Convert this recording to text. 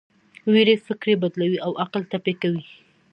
ویرې فکر بدلوي او عقل ټپي کوي.